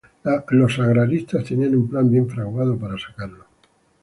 Los agraristas, tenían un plan bien fraguado para sacarlo.